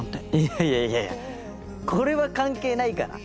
いやいやこれは関係ないから。